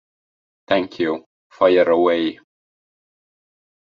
Thank you; fire away.